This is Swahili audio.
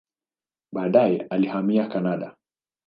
Baadaye alihamia Kanada.